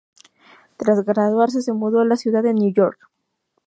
Tras graduarse, se mudó a la ciudad de Nueva York.